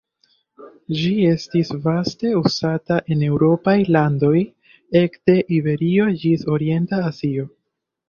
Ĝi estis vaste uzata en eŭropaj landoj ekde Iberio ĝis orienta Azio.